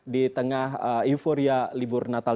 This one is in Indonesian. di tengah euforia libur natal